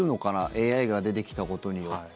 ＡＩが出てきたことによって。